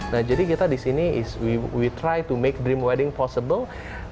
nah jadi kita disini we try to make dream wedding possible